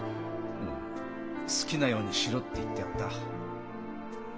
うん「好きなようにしろ」って言ってやった。